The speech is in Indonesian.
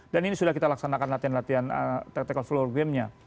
dan ini sudah kita laksanakan latihan latihan tactical floor game nya